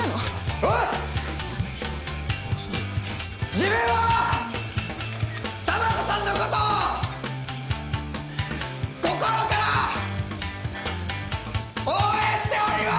自分は玉子さんのことを心から応援しております！